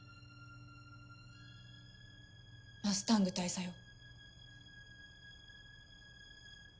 マスタング大佐よ